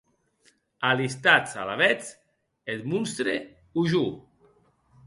Alistatz, alavetz, eth monstre o jo.